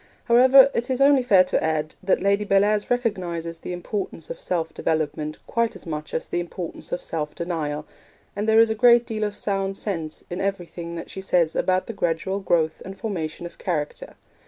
However, it is only fair to add that Lady Bellairs recognises the importance of self development quite as much as the importance of self denial; and there is a great deal of sound sense in everything that she says about the gradual growth and formation of character.